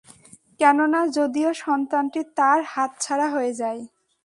কেননা, যদিও সন্তানটি তার হাতছাড়া হয়ে যায়।